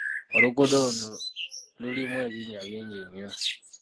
Oluguudo luno lulimu ebinnya bingi nnyo.